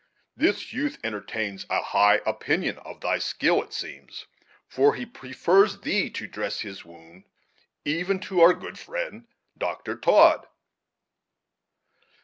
This youth entertains a high opinion of thy skill, it seems, for he prefers thee to dress his wound even to our good friend, Dr. Todd."